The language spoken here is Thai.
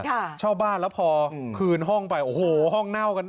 เช่าบ้านแล้วพอคืนห้องไปโอ้โหห้องเน่ากัน